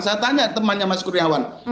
saya tanya temannya mas kurniawan